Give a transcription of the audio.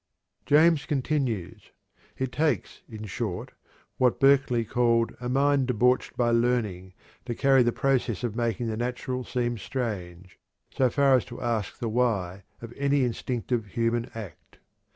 James continues: "It takes, in short, what Berkeley called a mind debauched by learning to carry the process of making the natural seem strange, so far as to ask the why of any instinctive human act.